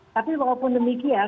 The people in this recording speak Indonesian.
tapi walaupun demikian